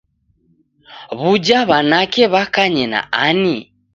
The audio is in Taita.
W'uja w'anake w'akanye na ani?